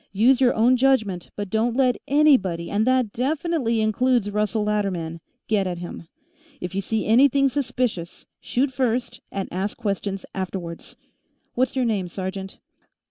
Use your own judgment, but don't let anybody, and that definitely includes Russell Latterman, get at him. If you see anything suspicious, shoot first and ask questions afterwards. What's your name, sergeant?"